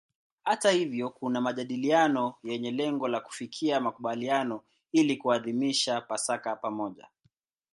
Hata hivyo kuna majadiliano yenye lengo la kufikia makubaliano ili kuadhimisha Pasaka pamoja.